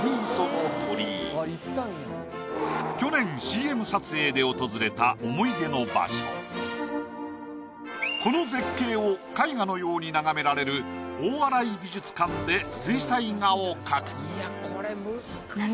去年ＣＭこの絶景を絵画のように眺められる大洗美術館で水彩画を描く。